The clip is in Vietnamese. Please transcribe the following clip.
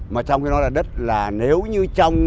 mà trong cái đó là đất là nếu như trong